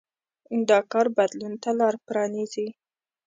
دا کار بدلون ته لار پرانېزي.